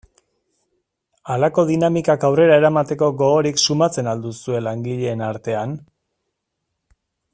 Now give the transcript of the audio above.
Halako dinamikak aurrera eramateko gogorik sumatzen al duzue langileen artean?